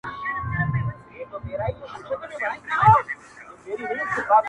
خوار سو د ټره ونه لوېدئ.